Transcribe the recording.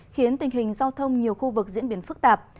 khiến tình hình giao thông nhiều khu vực diễn biến phức tạp